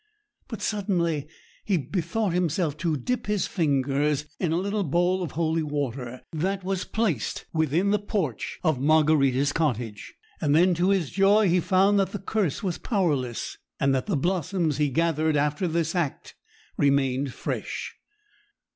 But suddenly he bethought himself to dip his fingers in a little bowl of holy water that was placed within the porch of Margarita's cottage; and then, to his joy, he found that the curse was powerless, and that the blossoms he gathered after this act remained fresh.